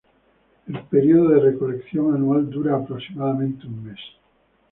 El período de recolección anual dura aproximadamente un mes.